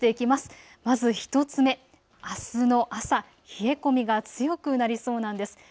まず１つ目、あすの朝、冷え込みが強くなりそうなんです。